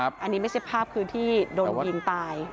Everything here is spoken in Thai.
อันนี้ไม่ใช่ภาพคือที่โดนยิงตาย